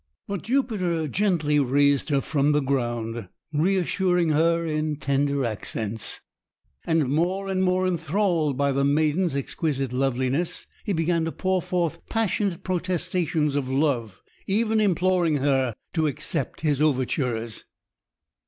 But Jupiter gently raised her from the ground, reassuring her in tender accents; and more and more enthralled by the maiden's exquisite loveliness, he began to pour forth passionate protestations of love, even imploring her to accept his overtures.